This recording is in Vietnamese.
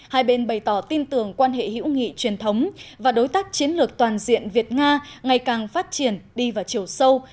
hai bên bày tỏ tin tưởng quan hệ hữu nghị truyền thống và đối tác chiến lược toàn diện việt nga ngày càng phát triển đi vào chiều sâu